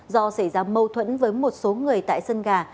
do xảy ra mâu thuẫn với một số người tại sân gà